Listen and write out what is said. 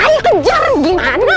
ayo kejar gimana